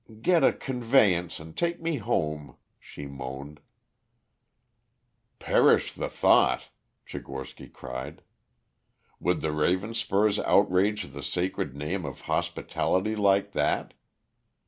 "Get a conveyance and take me home," she moaned. "Perish the thought," Tchigorsky cried. "Would the Ravenspurs outrage the sacred name of hospitality like that?